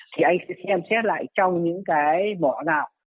thì anh sẽ xem xét lại trong những cái mỏ nào